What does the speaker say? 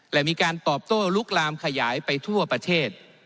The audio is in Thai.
และมีการตอบโต้ลุกลามขยายไปทั่วประเทศ